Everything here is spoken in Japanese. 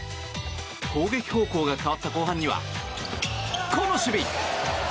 攻撃方向が変わった後半にはこの守備。